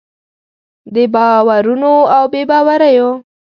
د باورونو او بې باوریو